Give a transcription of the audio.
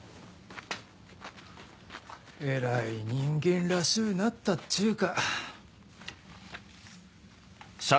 えらい人間らしゅうなったっちゅうか。